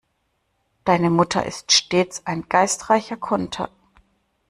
Deine Mutter ist stets ein geistreicher Konter.